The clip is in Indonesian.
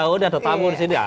oh ini ada tamu di sini